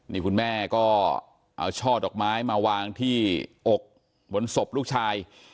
นี่คุณแม่ก็เอาช่อดอกไม้มาวางที่อกบนศพลูกชาย